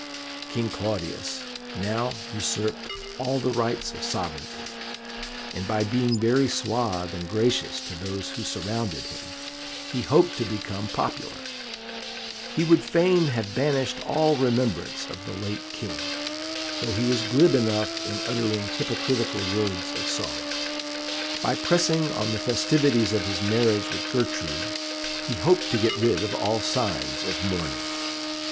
King Claudius now usurped all the rights of sovereignty, and by being very suave and gracious to those who surrounded him he hoped to become popular. He would fain have banished all remembrance of the late King, though he was glib enough in uttering hypocritical words of sorrow. By pressing on the festivities of his marriage with Gertrude, he hoped to get rid of all signs of mourning.